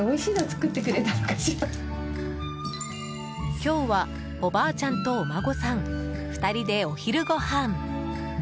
今日はおばあちゃんとお孫さん２人でお昼ごはん。